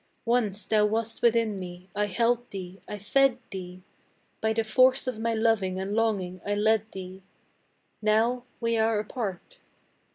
Once thou wast within me I held thee I fed thee By the force of my loving and longing I led thee Now we are apart!